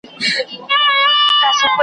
ښکاري هره ورځ څلور پنځه ټاکلې .